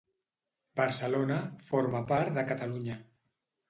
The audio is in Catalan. Barcelona forma part de Catalunya.